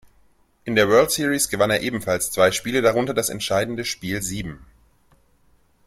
In der World Series gewann er ebenfalls zwei Spiele, darunter das entscheidende Spiel sieben.